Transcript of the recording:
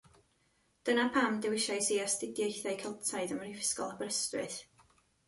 Dyna pam dewisais i Astudiaethau Celtaidd ym mhrifysgol Aberystwyth